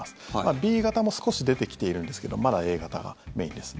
Ｂ型も少し出てきているんですがまだＡ型がメインです。